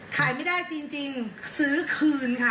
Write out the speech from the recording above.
ขายไม่ได้จริงซื้อคืนค่ะ